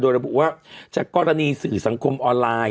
ระบุว่าจากกรณีสื่อสังคมออนไลน์